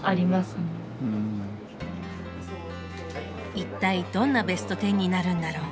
一体どんなベスト１０になるんだろう？